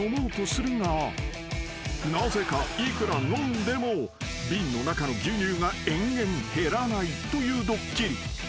［なぜかいくら飲んでも瓶の中の牛乳が延々減らないというドッキリ］